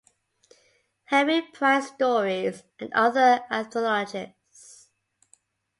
Henry Prize Stories, and other anthologies.